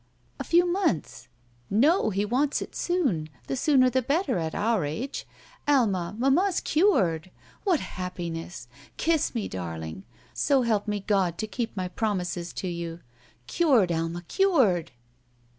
"A few months." "No, he wants it soon. The sooner the better at our age. Alma, manmia's cured! What happi ness! Kiss me, darling. So help me God to keep my promises to you! Cured, Alma, cured."